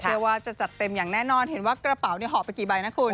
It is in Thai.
เชื่อว่าจะจัดเต็มอย่างแน่นอนเห็นว่ากระเป๋าเนี่ยหอบไปกี่ใบนะคุณ